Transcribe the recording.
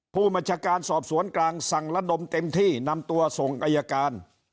ผู้บัญชาการสอบสวนกลางสั่งระดมเต็มที่นำตัวส่งอายการ